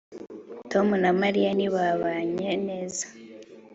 tom na mariya ntibabanye neza